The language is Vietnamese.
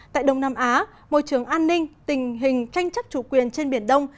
tại đông nam á môi trường an ninh tình hình tranh chấp chủ quyền trên biển đông